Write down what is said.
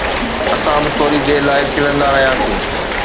اسان به ٿوري دير لاءِ کلندا رهياسين